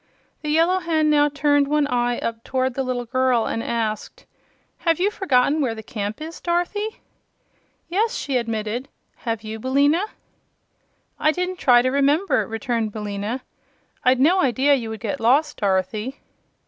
The Yellow Hen now turned one eye up toward the little girl and asked: "Have you forgotten where the camp is, Dorothy?" "Yes," she admitted; "have you, Billina?" "I didn't try to remember," returned Billina. "I'd no idea you would get lost, Dorothy."